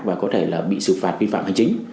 và có thể là bị xử phạt vi phạm hành chính